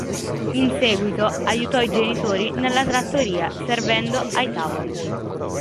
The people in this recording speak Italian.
In seguito aiutò i genitori nella trattoria servendo ai tavoli.